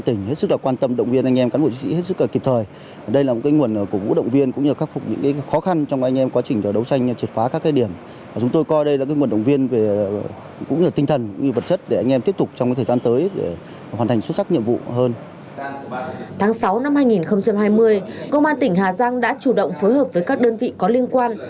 tháng sáu năm hai nghìn hai mươi công an tỉnh hà giang đã chủ động phối hợp với các đơn vị có liên quan